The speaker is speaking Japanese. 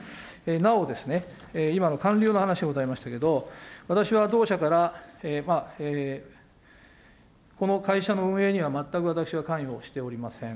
なお、今の還流の話ございましたけれども、私は同社からこの会社の運営には全く私は関与をしておりません。